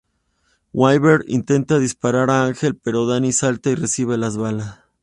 Weaver intenta disparar a Angel, pero Danny salta y recibe las balas.